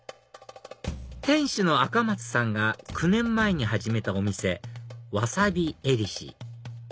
店主の赤松さんが９年前に始めたお店ワサビ・エリシ